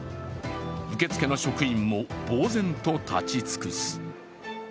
受付の職員もぼう然と立ち尽くす。